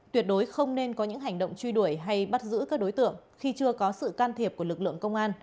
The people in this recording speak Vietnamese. tuyệt đối không nên có những hành động truy đuổi hay bắt giữ các đối tượng khi chưa có sự can thiệp của lực lượng công an